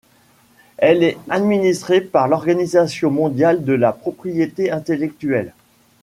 Elle est administrée par l'Organisation mondiale de la propriété intellectuelle.